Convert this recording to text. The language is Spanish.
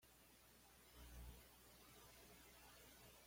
Nasdaq, Inc.